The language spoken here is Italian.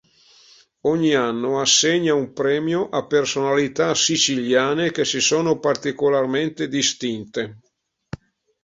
Ogni anno assegna un premio a personalità siciliane che si sono particolarmente distinte.